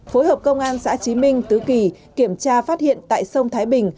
phối hợp công an xã trí minh tứ kỳ kiểm tra phát hiện tại sông thái bình